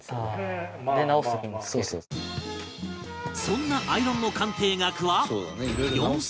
そんなアイロンの鑑定額は４０００円